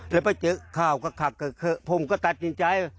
แล้วไปเจอข่าวก็ขับผมก็ตัดสินใจ